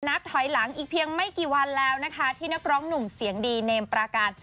นับถอยหลังอีกเพียงไม่กี่วันแล้วนะคะที่นักร้องหนุ่มเสียงดีเนมปราการ